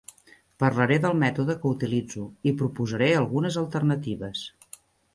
Parlaré del mètode que utilitzo i proposaré algunes alternatives.